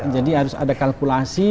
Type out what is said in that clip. jadi harus ada kalkulasi